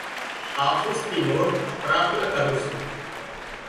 آفيس ٿِي مورِ پراٿنا ڪرُون سُون۔